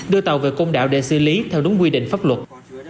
đưa tàu về công đảo để xử lý theo đúng quy định pháp luật